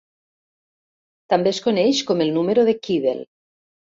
També es coneix com el número de Kibel.